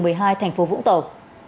phường một mươi hai thành phố vũng tàu